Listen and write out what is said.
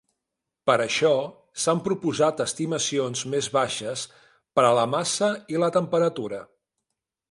Per això, s'han proposat estimacions més baixes per a la massa i la temperatura.